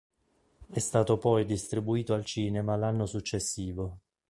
È stato poi distribuito al cinema l'anno successivo.